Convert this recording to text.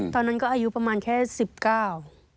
ตอนนั้นก็อายุประมาณแค่สิบเก้า